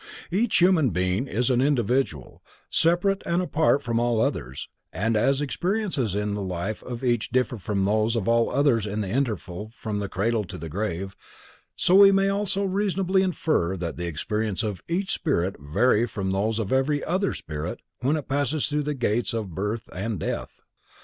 Each human being is an individual, separate and apart from all others, and as experiences in the life of each differ from those of all others in the interval from the cradle to the grave, so we may also reasonably infer that the experiences of each spirit vary from those of every other spirit when it passes through the gates of birth and death.